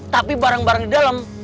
tapi barang barang di dalam